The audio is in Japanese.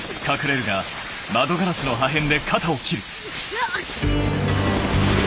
あっ‼